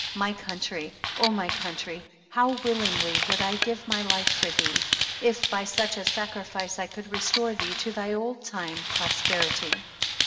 My country, oh, my country, how willingly would I give my life for thee, if by such a sacrifice I could restore thee to thy old time prosperity."